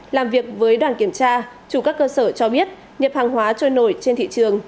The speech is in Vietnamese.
làm việc với đoàn kiểm tra chủ các cơ sở cho biết nhập hàng hóa trôi nổi trên thị trường